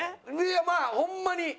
いやまあホンマに。